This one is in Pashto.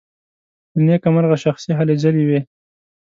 له نېکه مرغه شخصي هلې ځلې وې.